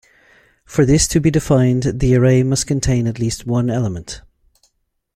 For this to be defined, the array must contain at least one element.